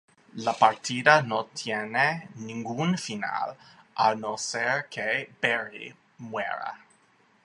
La partida no tiene ningún final, a no ser que Barry muera.